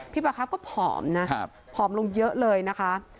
พี่ประครัฟต์ก็ผอมนะครับผอมลงเยอะเลยนะคะ